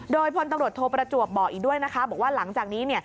โดยพลตำรวจโทประจวบบอกอีกด้วยนะคะบอกว่าหลังจากนี้